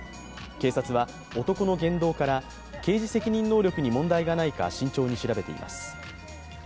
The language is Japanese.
警察は男の言動から刑事責任能力に問題がないか慎重に調べています。